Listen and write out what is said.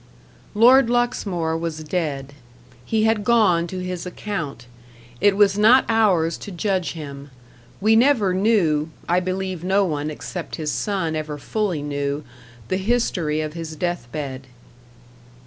Lord Luxmore was dead. He had gone to his account; it was not ours to judge him. We never knew I believe no one except his son ever fully knew the history of his death bed.